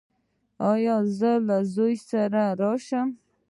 ایا زه له زوی سره راشم؟